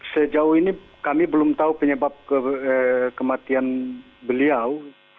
sejauh ini kami belum tahu penyebab kematian beliau